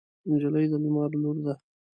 نجلۍ د لمر لور ده.